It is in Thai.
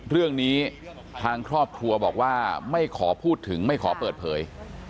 เรื่องนี้ทางครอบครัวบอกว่าไม่ขอพูดถึงไม่ขอเปิดเผย